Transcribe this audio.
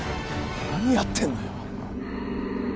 何やってんのよ